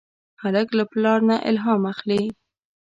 هلک له پلار نه الهام اخلي.